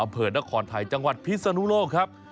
อำเภอนครไทยจังหวัดพิศนุโลกครับ